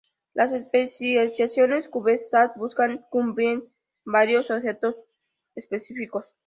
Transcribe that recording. Las especificaciones CubeSat buscan cumplir varios objetivos específicos.